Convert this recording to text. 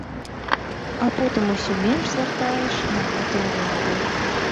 А потым усё менш звяртаеш на гэта ўвагу.